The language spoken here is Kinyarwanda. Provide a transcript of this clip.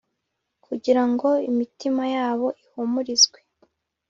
kugira ngo imitima yabo ihumurizwe